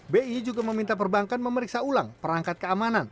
bi juga meminta perbankan memeriksa ulang perangkat keamanan